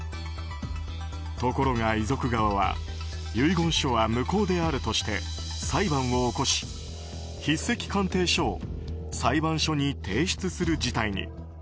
ところが、遺族側は遺言書は無効であるとして裁判を起こし、筆跡鑑定書を裁判所に提出する事態に。